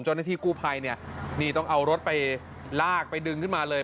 เจ้าหน้าที่กู้ภัยเนี่ยนี่ต้องเอารถไปลากไปดึงขึ้นมาเลย